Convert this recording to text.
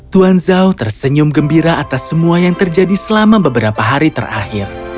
tuan zhao tersenyum gembira atas semua yang terjadi selama beberapa hari terakhir